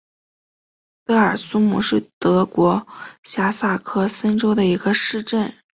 德尔苏姆是德国下萨克森州的一个市镇。